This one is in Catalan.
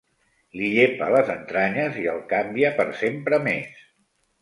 Li llepa les entranyes i el canvia per sempre més.